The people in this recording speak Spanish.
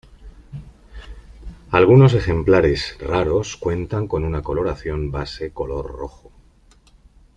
Algunos ejemplares, raros, cuentan con una coloración base color rojo.